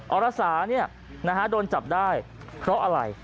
ออระสาเนี่ยนะฮะโดนจับได้เพราะอะไร